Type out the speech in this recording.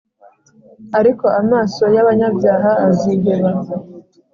ariko amaso y’abanyabyaha aziheba,